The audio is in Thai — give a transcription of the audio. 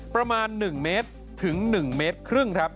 ประมาณ๑๑๕เมตรครับ